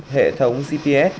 hệ thống gps